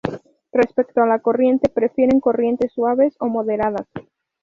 Respecto a la corriente, prefieren corrientes suaves o moderadas.